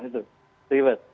nah itu reward